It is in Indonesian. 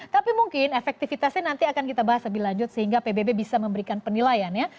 tapi mungkin efektivitasnya nanti akan kita bahas lebih lanjut sehingga pbb bisa memberikan penilaian ya